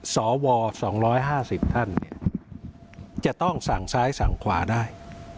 สว๒๕๐ท่านจะต้องสั่งซ้ายสั่งขวาได้